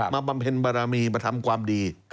บำเพ็ญบารมีมาทำความดี